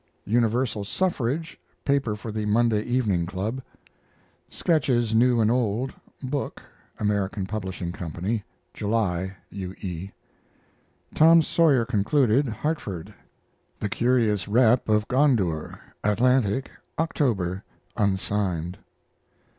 UNIVERSAL SUFFRAGE paper for The Monday Evening Club. SKETCHES NEW AND OLD book (Am. Pub. Co.), July. U. E. TOM SAWYER concluded (Hartford). THE CURIOUS REP. OF GONDOUR Atlantic, October (unsigned).